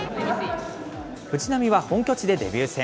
藤浪は本拠地でデビュー戦。